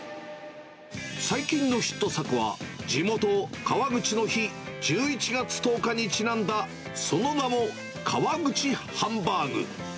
最近のヒット作は、地元、川口の日、１１月１０日にちなんだ、その名も、川口ハンバーグ。